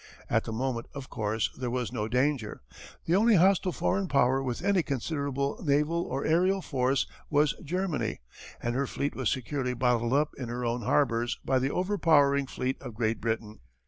At the moment, of course, there was no danger. The only hostile foreign power with any considerable naval or aërial force was Germany and her fleet was securely bottled up in her own harbours by the overpowering fleet of Great Britain.